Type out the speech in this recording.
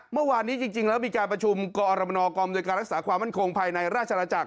เมื่อวานนี้จริงแล้วมีการประชุมกรมนกรมโดยการรักษาความมั่นคงภายในราชนาจักร